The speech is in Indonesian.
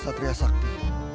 dan juga patria sakti